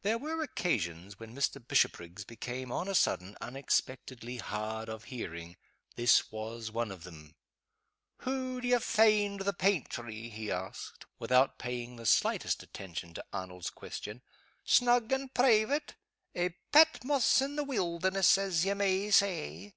There were occasions when Mr. Bishopriggs became, on a sudden, unexpectedly hard of hearing, This was one of them. "Hoo do ye find the paintry?" he asked, without paying the slightest attention to Arnold's question. "Snug and private? A Patmos in the weelderness, as ye may say!"